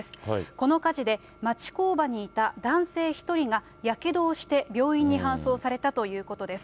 この火事で町工場にいた男性１人がやけどをして病院に搬送されたということです。